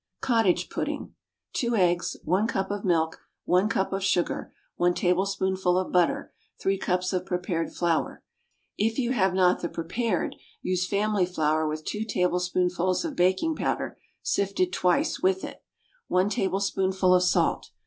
Cottage Pudding. Two eggs. One cup of milk. One cup of sugar. One tablespoonful of butter. Three cups of prepared flour. If you have not the prepared, use family flour with two tablespoonfuls of baking powder, sifted twice with it. One tablespoonful of salt.